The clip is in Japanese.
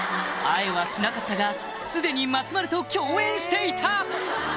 会えはしなかったがすでに松丸と共演していた！